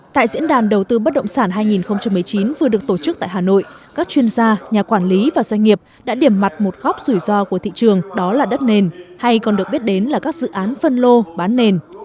tại diễn đàn đầu tư bất động sản hai nghìn một mươi chín vừa được tổ chức tại hà nội các chuyên gia nhà quản lý và doanh nghiệp đã điểm mặt một góc rủi ro của thị trường đó là đất nền hay còn được biết đến là các dự án phân lô bán nền